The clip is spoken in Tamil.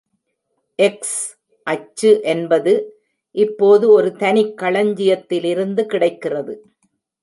எக்ஸ் அச்சு என்பது இப்போது ஒரு தனிக் களஞ்சியத்திலிருந்து கிடைக்கிறது.